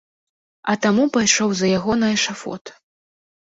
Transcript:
А таму пайшоў за яго на эшафот.